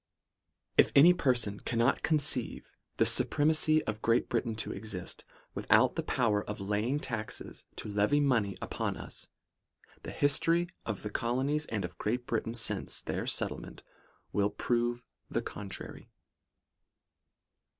4 If any person cannot conceive the supremacy of Great Britain to exist, without the power of laying taxes to levy money upon us, the history of the colonies, and of Great Britain, since their set tlement, will prove the contrary.